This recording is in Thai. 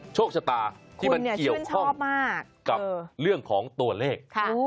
โชคชะตาที่มันเกี่ยวข้องมากกับเรื่องของตัวเลข